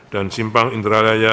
dan simpang indralaya